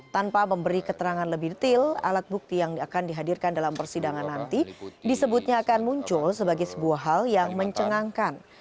tanpa memberi keterangan lebih detail alat bukti yang akan dihadirkan dalam persidangan nanti disebutnya akan muncul sebagai sebuah hal yang mencengangkan